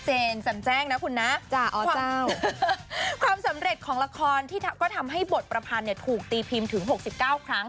จันแจ้งนะคุณนะเจ้าความสำเร็จของละครที่ก็ทำให้บทประพันธ์เนี่ยถูกตีพิมพ์ถึง๖๙ครั้ง